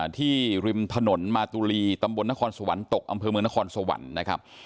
ริมถนนมาตุลีตำบลนครสวรรค์ตกอำเภอเมืองนครสวรรค์นะครับ